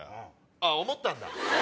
あっ思ったんだ。